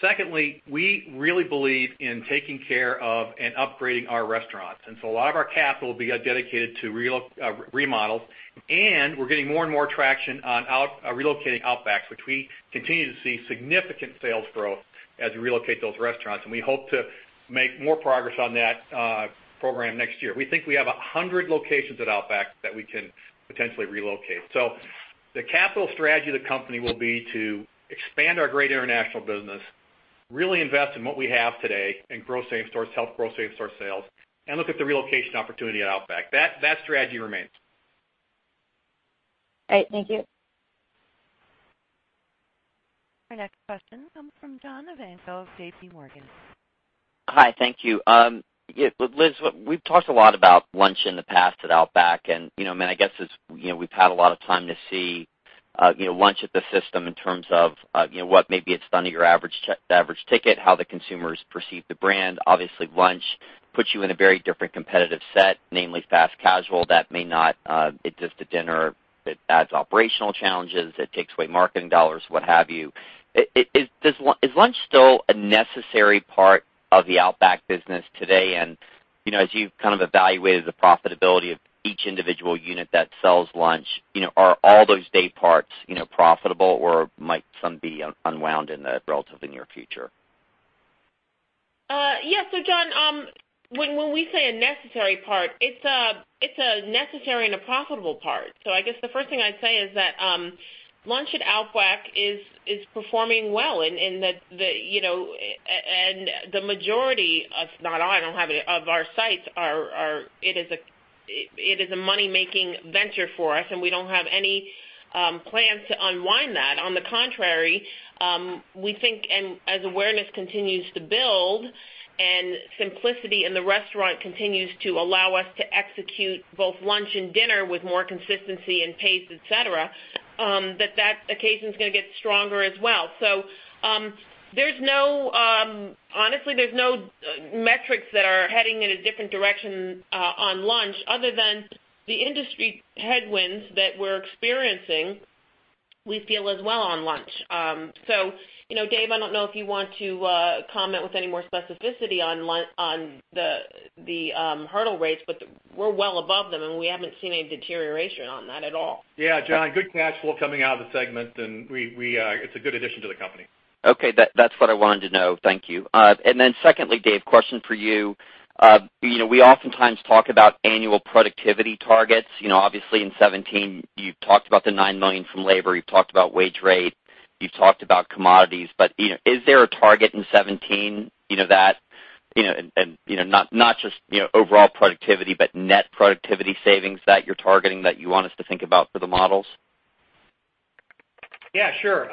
Secondly, we really believe in taking care of and upgrading our restaurants. A lot of our capital will be dedicated to remodels. We're getting more and more traction on relocating Outback, which we continue to see significant sales growth as we relocate those restaurants. We hope to make more progress on that program next year. We think we have 100 locations at Outback that we can potentially relocate. The capital strategy of the company will be to expand our great international business, really invest in what we have today, and help grow same-store sales and look at the relocation opportunity at Outback. That strategy remains. All right. Thank you. Our next question comes from John Ivankoe of JPMorgan. Hi. Thank you. Liz, we've talked a lot about lunch in the past at Outback. I guess we've had a lot of time to see lunch at the system in terms of what maybe it's done to your average ticket, how the consumers perceive the brand. Obviously, lunch puts you in a very different competitive set, namely fast casual, that may not exist at dinner. It adds operational challenges, it takes away marketing dollars, what have you. Is lunch still a necessary part of the Outback business today? As you've kind of evaluated the profitability of each individual unit that sells lunch, are all those day parts profitable, or might some be unwound in the relatively near future? Yeah. John, when we say a necessary part, it's a necessary and a profitable part. I guess the first thing I'd say is that lunch at Outback is performing well and the majority of, not all, I don't have it, of our sites are it is a money-making venture for us, and we don't have any plans to unwind that. On the contrary, we think as awareness continues to build and simplicity in the restaurant continues to allow us to execute both lunch and dinner with more consistency and pace, et cetera, that occasion's going to get stronger as well. Honestly, there's no metrics that are heading in a different direction on lunch other than the industry headwinds that we're experiencing, we feel as well on lunch. Dave, I don't know if you want to comment with any more specificity on the hurdle rates, we're well above them and we haven't seen any deterioration on that at all. Yeah, John, good cash flow coming out of the segment, it's a good addition to the company. Okay. That's what I wanted to know. Thank you. Secondly, Dave, question for you. We oftentimes talk about annual productivity targets. Obviously in 2017, you've talked about the $9 million from labor, you've talked about wage rate, you've talked about commodities, is there a target in 2017, not just overall productivity, but net productivity savings that you're targeting that you want us to think about for the models? Sure.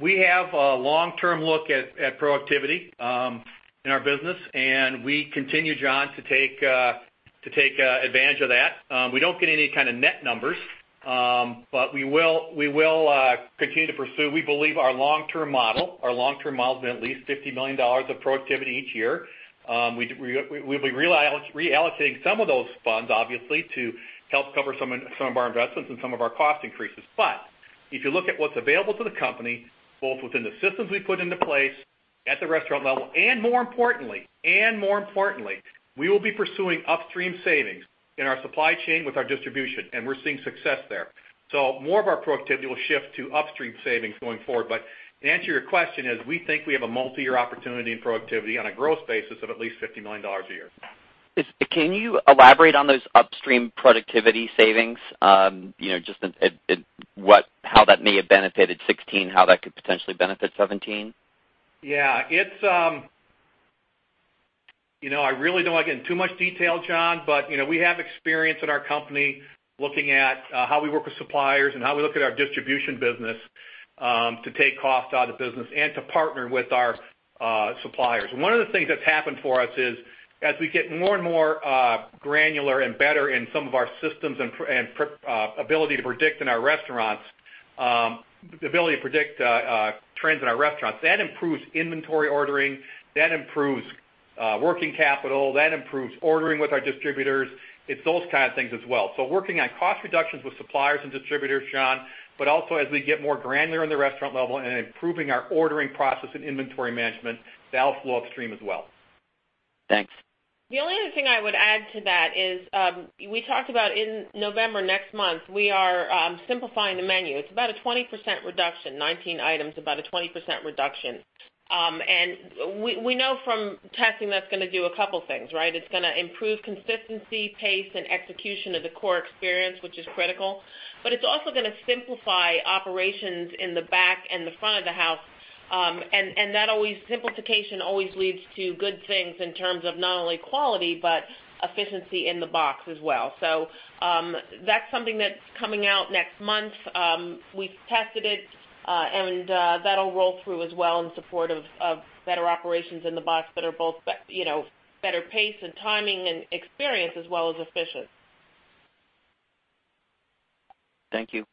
We have a long-term look at productivity in our business, and we continue, John, to take advantage of that. We don't get any kind of net numbers. We will continue to pursue, we believe our long-term model is at least $50 million of productivity each year. We'll be reallocating some of those funds, obviously, to help cover some of our investments and some of our cost increases. If you look at what's available to the company, both within the systems we put into place at the restaurant level, and more importantly, we will be pursuing upstream savings in our supply chain with our distribution, and we're seeing success there. More of our productivity will shift to upstream savings going forward. To answer your question is, we think we have a multi-year opportunity in productivity on a growth basis of at least $50 million a year. Can you elaborate on those upstream productivity savings? Just how that may have benefited 2016, how that could potentially benefit 2017? I really don't want to get in too much detail, John, we have experience in our company looking at how we work with suppliers and how we look at our distribution business to take costs out of the business and to partner with our suppliers. One of the things that's happened for us is as we get more and more granular and better in some of our systems and ability to predict trends in our restaurants, that improves inventory ordering, that improves working capital, that improves ordering with our distributors. It's those kinds of things as well. Working on cost reductions with suppliers and distributors, John, also as we get more granular in the restaurant level and improving our ordering process and inventory management, that'll flow upstream as well. Thanks. The only other thing I would add to that is, we talked about in November, next month, we are simplifying the menu. It's about a 20% reduction, 19 items, about a 20% reduction. We know from testing that's going to do a couple things. It's going to improve consistency, pace, and execution of the core experience, which is critical, but it's also going to simplify operations in the back and the front of the house. That simplification always leads to good things in terms of not only quality, but efficiency in the box as well. That's something that's coming out next month. We've tested it, and that'll roll through as well in support of better operations in the box that are both better pace and timing and experience as well as efficient. Thank you.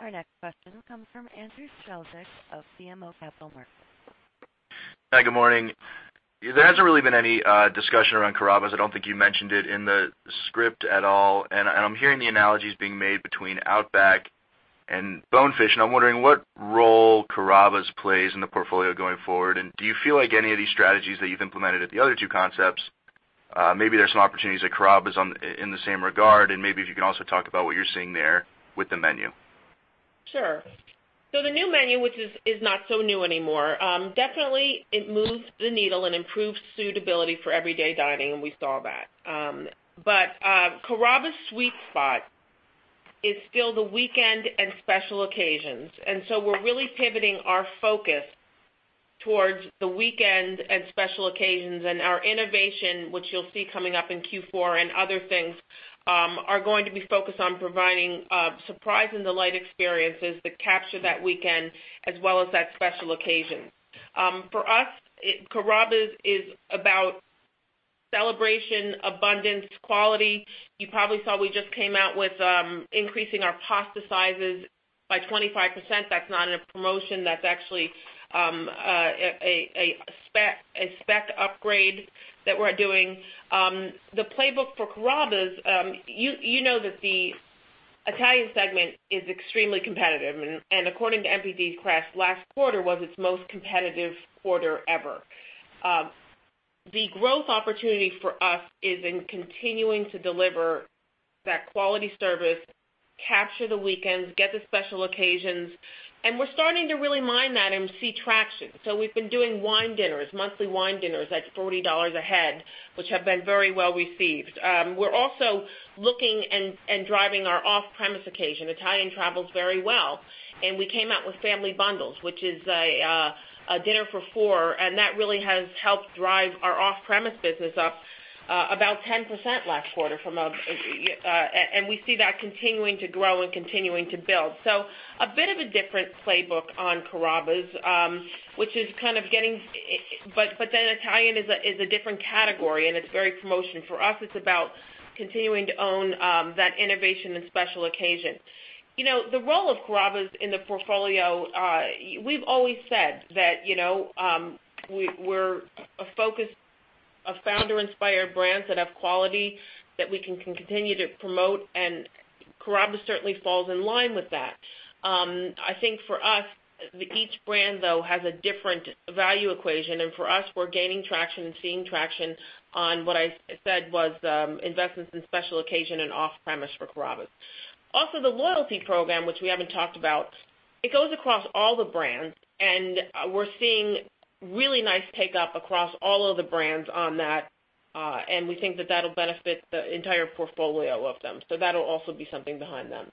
Our next question will come from Andrew Strelzik of BMO Capital Markets. Hi, good morning. There hasn't really been any discussion around Carrabba's. I don't think you mentioned it in the script at all, I'm hearing the analogies being made between Outback and Bonefish, I'm wondering what role Carrabba's plays in the portfolio going forward, do you feel like any of these strategies that you've implemented at the other two concepts, maybe there's some opportunities at Carrabba's in the same regard? Maybe if you can also talk about what you're seeing there with the menu. Sure. The new menu, which is not so new anymore. Definitely it moves the needle and improves suitability for everyday dining, and we saw that. Carrabba's sweet spot is still the weekend and special occasions. We're really pivoting our focus towards the weekend and special occasions, and our innovation, which you'll see coming up in Q4 and other things, are going to be focused on providing surprise and delight experiences that capture that weekend as well as that special occasion. For us, Carrabba's is about celebration, abundance, quality. You probably saw we just came out with increasing our pasta sizes by 25%. That's not in a promotion. That's actually a spec upgrade that we're doing. The playbook for Carrabba's, you know that the Italian segment is extremely competitive, and according to NPD's CREST, last quarter was its most competitive quarter ever. The growth opportunity for us is in continuing to deliver that quality service, capture the weekends, get the special occasions. We're starting to really mine that and see traction. We've been doing wine dinners, monthly wine dinners, that's $40 a head, which have been very well-received. We're also looking and driving our off-premise occasion. Italian travels very well, and we came out with family bundles, which is a dinner for four, and that really has helped drive our off-premise business up about 10% last quarter. We see that continuing to grow and continuing to build. A bit of a different playbook on Carrabba's. Italian is a different category, and it's very promotion. For us, it's about continuing to own that innovation and special occasion. The role of Carrabba's in the portfolio, we've always said that we're a focus of founder-inspired brands that have quality that we can continue to promote. Carrabba's certainly falls in line with that. I think for us, each brand, though, has a different value equation. For us, we're gaining traction and seeing traction on what I said was investments in special occasion and off-premise for Carrabba's. Also, the loyalty program, which we haven't talked about, it goes across all the brands. We're seeing really nice take-up across all of the brands on that. We think that that'll benefit the entire portfolio of them. That'll also be something behind them.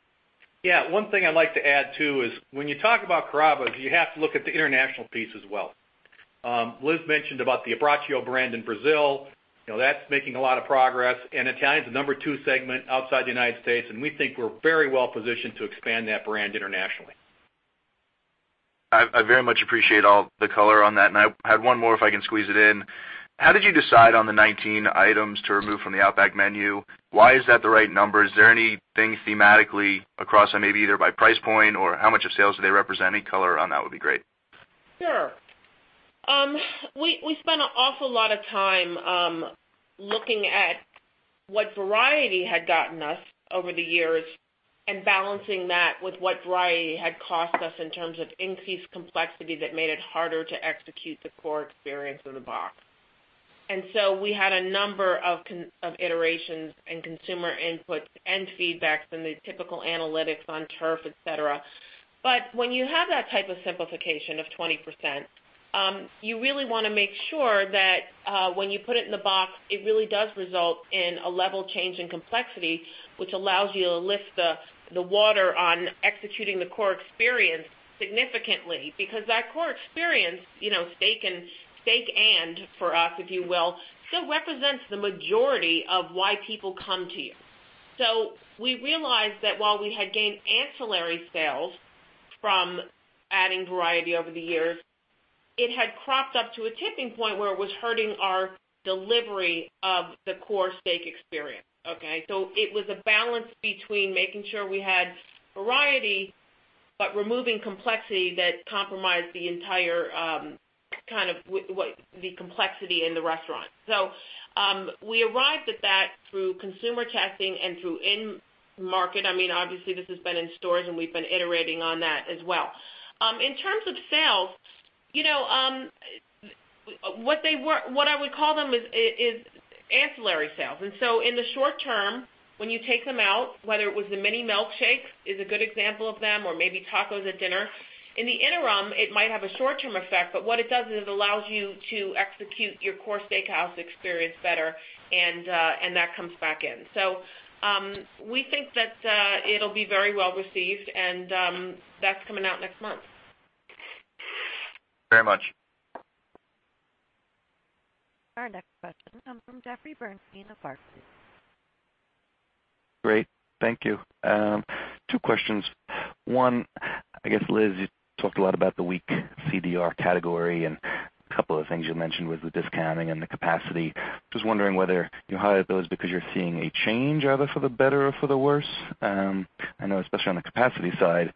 Yeah. One thing I'd like to add, too, is when you talk about Carrabba's, you have to look at the international piece as well. Liz mentioned about the Abbraccio brand in Brazil. That's making a lot of progress. Italian's the number 2 segment outside the United States. We think we're very well-positioned to expand that brand internationally. I very much appreciate all the color on that. I had one more if I can squeeze it in. How did you decide on the 19 items to remove from the Outback menu? Why is that the right number? Is there anything thematically across maybe either by price point or how much of sales do they represent? Any color on that would be great. Sure. We spent an awful lot of time looking at what variety had gotten us over the years and balancing that with what variety had cost us in terms of increased complexity that made it harder to execute the core experience in the box. We had a number of iterations and consumer inputs and feedbacks and the typical analytics on turf, et cetera. When you have that type of simplification of 20%, you really want to make sure that when you put it in the box, it really does result in a level change in complexity, which allows you to lift the water on executing the core experience significantly, because that core experience, steak and for us, if you will, still represents the majority of why people come to you. We realized that while we had gained ancillary sales from adding variety over the years, it had cropped up to a tipping point where it was hurting our delivery of the core steak experience. Okay? It was a balance between making sure we had variety, but removing complexity that compromised the entire complexity in the restaurant. We arrived at that through consumer testing and through in-market. Obviously, this has been in stores, and we've been iterating on that as well. In terms of sales, what I would call them is ancillary sales. In the short term, when you take them out, whether it was the mini milkshakes is a good example of them or maybe tacos at dinner. In the interim, it might have a short-term effect. What it does is it allows you to execute your core steakhouse experience better, and that comes back in. We think that it'll be very well-received, and that's coming out next month. Very much. Our next question comes from Jeffrey Bernstein of Barclays. Great. Thank you. Two questions. One, I guess, Liz, you talked a lot about the weak CDR category and a couple of things you mentioned was the discounting and the capacity. Just wondering whether you highlighted those because you're seeing a change either for the better or for the worse. I know especially on the capacity side,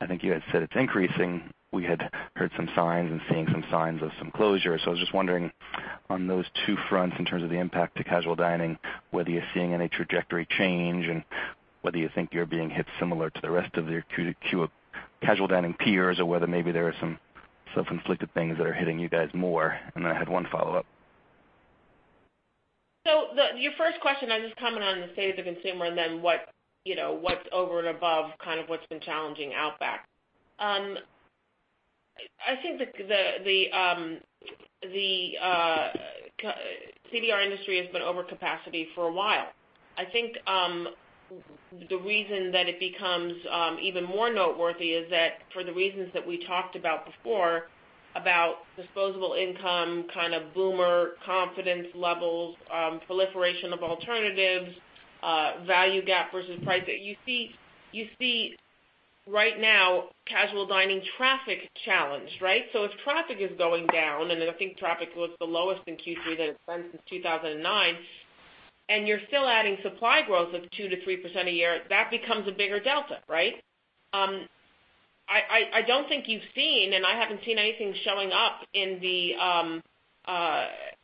I think you guys said it's increasing. We had heard some signs and seeing some signs of some closure. I was just wondering on those two fronts in terms of the impact to casual dining, whether you're seeing any trajectory change and whether you think you're being hit similar to the rest of your casual dining peers or whether maybe there are some self-inflicted things that are hitting you guys more. I had one follow-up. Your first question, I just comment on the state of the consumer and then what's over and above what's been challenging Outback. I think the CDR industry has been over capacity for a while. I think the reason that it becomes even more noteworthy is that for the reasons that we talked about before, about disposable income, kind of boomer confidence levels, proliferation of alternatives, value gap versus price, you see right now casual dining traffic challenged, right? If traffic is going down, and I think traffic was the lowest in Q3 than it's been since 2009, and you're still adding supply growth of 2%-3% a year, that becomes a bigger delta. Right? I don't think you've seen, and I haven't seen anything showing up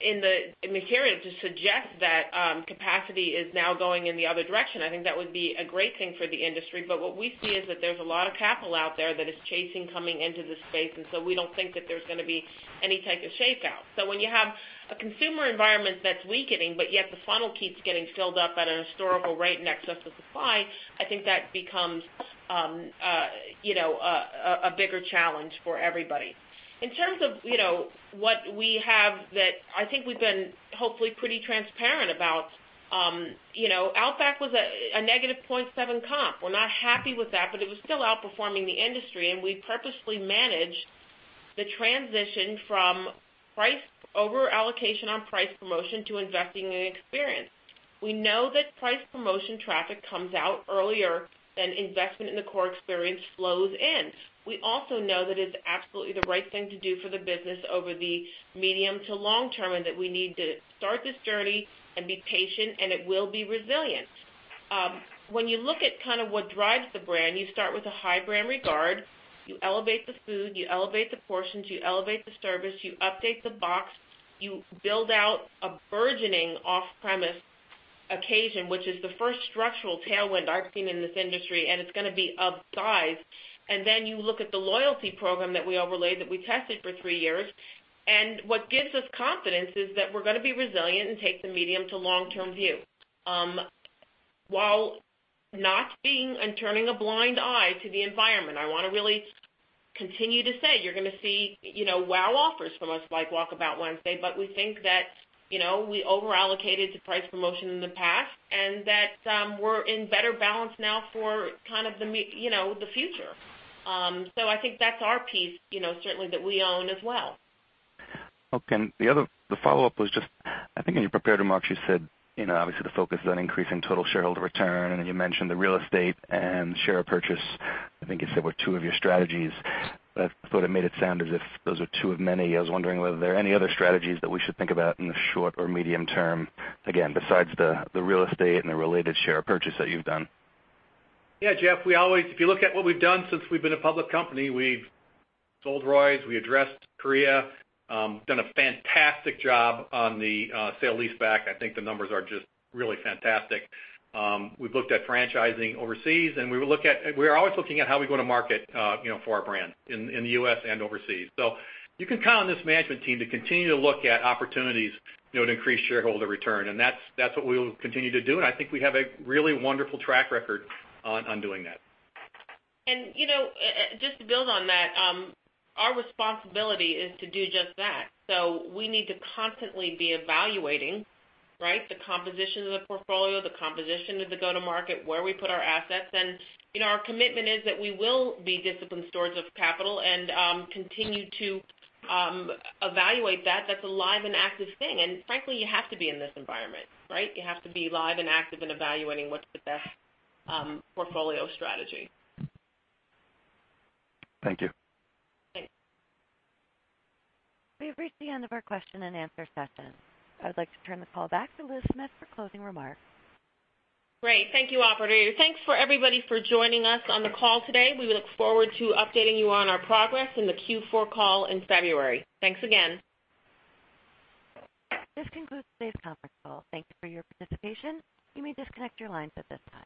in the material to suggest that capacity is now going in the other direction. I think that would be a great thing for the industry, but what we see is that there's a lot of capital out there that is chasing coming into this space, we don't think that there's going to be any type of shakeout. When you have a consumer environment that's weakening, but yet the funnel keeps getting filled up at a historical rate in excess of supply, I think that becomes a bigger challenge for everybody. In terms of what we have that I think we've been hopefully pretty transparent about, Outback was a negative 0.7 comp. We're not happy with that, but it was still outperforming the industry, and we purposefully managed the transition from price over-allocation on price promotion to investing in experience. We know that price promotion traffic comes out earlier than investment in the core experience flows in. We also know that it's absolutely the right thing to do for the business over the medium to long term, and that we need to start this journey and be patient, and it will be resilient. When you look at kind of what drives the brand, you start with a high brand regard. You elevate the food, you elevate the portions, you elevate the service, you update the box, you build out a burgeoning off-premise occasion, which is the first structural tailwind I've seen in this industry, and it's going to be of size. You look at the loyalty program that we overlaid, that we tested for three years. What gives us confidence is that we're going to be resilient and take the medium to long term view. While not being and turning a blind eye to the environment, I want to really continue to say, you're going to see wow offers from us, like Walkabout Wednesday. We think that we over-allocated to price promotion in the past, and that we're in better balance now for the future. I think that's our piece certainly that we own as well. Okay. The follow-up was just, I think in your prepared remarks, you said obviously the focus is on increasing total shareholder return, and then you mentioned the real estate and share purchase, I think you said were two of your strategies. I thought it made it sound as if those were two of many. I was wondering whether there are any other strategies that we should think about in the short or medium term, again, besides the real estate and the related share purchase that you've done. Jeff, if you look at what we've done since we've been a public company, we've sold Roy's, we addressed Korea, done a fantastic job on the sale leaseback. I think the numbers are just really fantastic. We've looked at franchising overseas, and we're always looking at how we go to market for our brand in the U.S. and overseas. You can count on this management team to continue to look at opportunities to increase shareholder return, and that's what we will continue to do, and I think we have a really wonderful track record on doing that. Just to build on that, our responsibility is to do just that. We need to constantly be evaluating, right, the composition of the portfolio, the composition of the go-to-market, where we put our assets in. Our commitment is that we will be disciplined stewards of capital and continue to evaluate that. That's a live and active thing. Frankly, you have to be in this environment, right? You have to be live and active in evaluating what's the best portfolio strategy. Thank you. Thanks. We've reached the end of our question and answer session. I would like to turn the call back to Liz Smith for closing remarks. Great. Thank you, operator. Thanks for everybody for joining us on the call today. We look forward to updating you on our progress in the Q4 call in February. Thanks again. This concludes today's conference call. Thank you for your participation. You may disconnect your lines at this time.